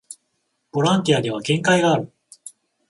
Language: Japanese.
ボランティアでは限界がある